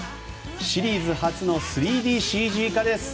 シリーズ初の３ＤＣＧ化です！